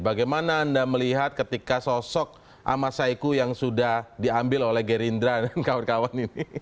bagaimana anda melihat ketika sosok ahmad saiku yang sudah diambil oleh gerindra dan kawan kawan ini